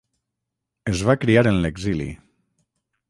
Es va criar en l'exili.